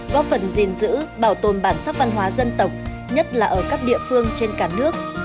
góp phần gìn giữ bảo tồn bản sắc văn hóa dân tộc nhất là ở các địa phương trên cả nước